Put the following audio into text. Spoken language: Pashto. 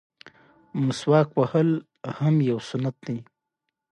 د پښتنو د مېلمه پالنې فرهنګي علتونه مې په کار دي.